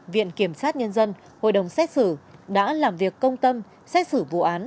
viện kiểm sát nhân dân hội đồng xét xử đã làm việc công tâm xét xử vụ án